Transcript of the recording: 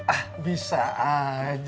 ah bisa aja